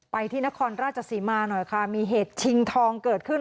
ที่นครราชสีมาหน่อยค่ะมีเหตุชิงทองเกิดขึ้น